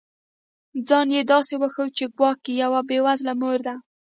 ځان یې داسي وښود چي ګواکي یوه بې وزله مور ده